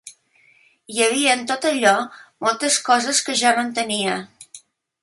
Hi havia en tot allò moltes coses que jo no entenia